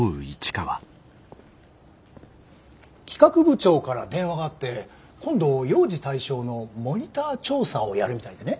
企画部長から電話があって今度幼児対象のモニター調査をやるみたいでね。